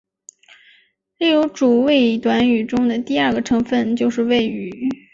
例如主谓短语中的第二个成分就是谓语。